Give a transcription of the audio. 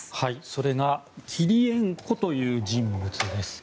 それがキリエンコという人物です。